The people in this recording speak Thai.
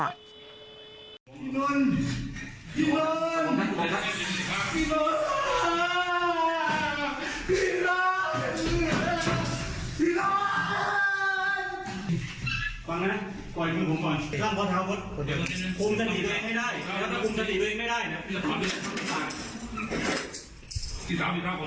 เหลือความล้มทางที่สุด